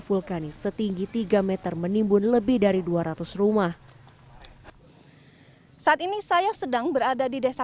vulkanis setinggi tiga meter menimbun lebih dari dua ratus rumah saat ini saya sedang berada di desa